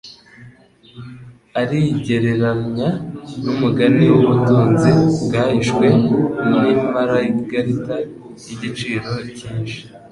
arigereranya n'umugani w'ubutunzi bwahishwe, n'imarigarita y'igiciro cyinshi,